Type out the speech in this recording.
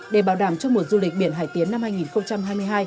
để bảo đảm cho mùa du lịch biển hải tiến năm hai nghìn hai mươi hai